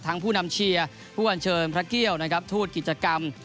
ผู้นำเชียร์ผู้อัญเชิญพระเกี่ยวนะครับทูตกิจกรรม